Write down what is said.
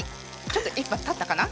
ちょっと１分たったかな？